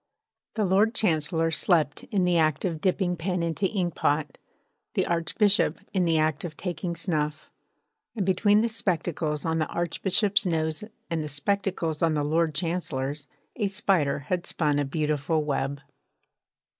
The Lord Chancellor slept in the act of dipping pen into inkpot; the Archbishop in the act of taking snuff; and between the spectacles on the Archbishop's nose and the spectacles on the Lord Chancellor's a spider had spun a beautiful web.